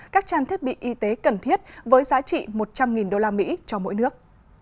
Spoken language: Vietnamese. các trang thiết bị y tế cần thiết với giá trị một trăm linh usd cho mỗi nước